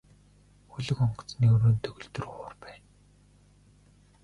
Хөлөг онгоцны өрөөнд төгөлдөр хуур байна.